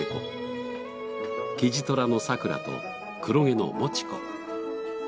キジトラの桜と黒毛のもち子。